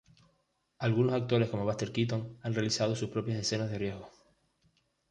Algunos actores como Buster Keaton han realizado sus propias escenas de riesgo.